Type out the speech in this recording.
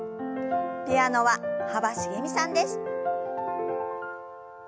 ピアノは幅しげみさんです。